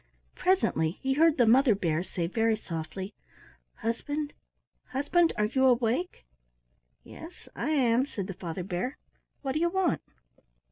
Presently he heard the Mother Bear say very softly, "Husband, husband, are you awake?" "Yes, I am," said the Father Bear. "What do you want?"